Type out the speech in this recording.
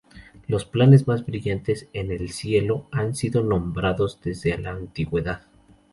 Los planetas más brillantes en el cielo han sido nombrados desde la antigüedad.